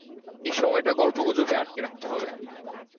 এই সময়টা গল্পগুজবে আটকে রাখতে হবে।